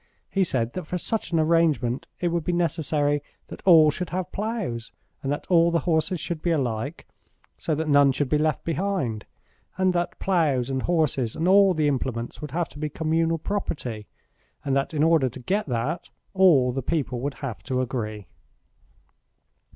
He said that for such an arrangement it would be necessary that all should have ploughs, and that all the horses should be alike, so that none should be left behind, and that ploughs and horses and all the implements would have to be communal property, and that in order to get that, all the people would have to agree.